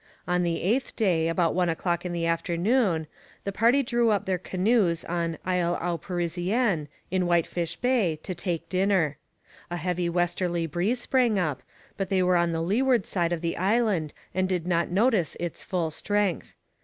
On the eighth day, about one o'clock in the afternoon, the party drew up their canoes on Isle au Parisien, in Whitefish Bay, to take dinner. A heavy westerly breeze sprang up, but they were on the leeward side of the island and did not notice its full strength.